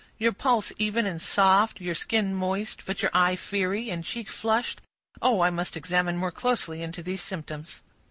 "Your pulse even and soft, your skin moist, but your eye fiery, and cheek flushed. Oh! I must examine more closely into these symptoms."